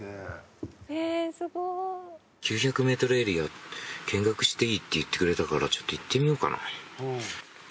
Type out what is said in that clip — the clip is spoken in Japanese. ９００メートルエリア見学していいって言ってくれたからちょっと行ってみようかな。